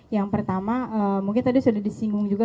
yang pertama mungkin tadi sudah disinggung juga